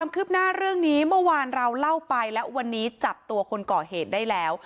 คืบหน้าเรื่องนี้เมื่อวานเราเล่าไปและวันนี้จับตัวคนก่อเหตุได้แล้ว